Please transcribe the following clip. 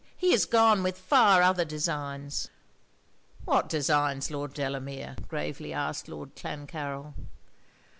He is gone with far other designs.' 'What designs, Lord Delamere?' gravely asked Lord Clancarryl.